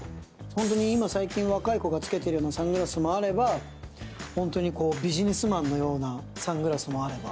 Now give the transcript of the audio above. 最近、若い子がつけてるようなサングラスもあれば、本当にビジネスマンのようなサングラスもあれば。